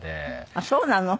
あっそうなの？